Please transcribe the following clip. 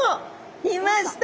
いました！